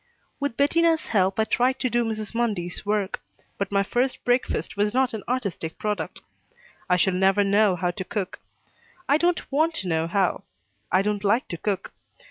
With Bettina's help I tried to do Mrs. Mundy's work, but my first breakfast was not an artistic product. I shall never know how to cook. I don't want to know how. I don't like to cook.